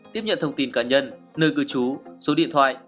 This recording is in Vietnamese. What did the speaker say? tiếp nhận thông tin cá nhân nơi cư trú số điện thoại